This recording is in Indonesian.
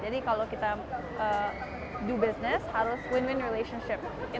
jadi kalau kita do business harus win win relationship